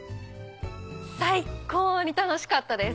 最高に楽しかったです。